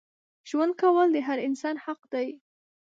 ژوند کول د هر انسان حق دی.